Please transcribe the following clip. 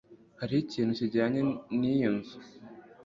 Hariho ikintu kijyanye n'iyo nzu